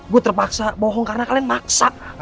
gue terpaksa bohong karena kalian maksa